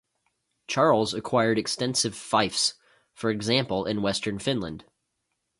Charles acquired extensive fiefs, for example in Western Finland.